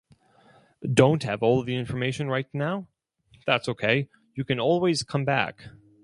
Don't have all the information right now? That's ok; you can always come back.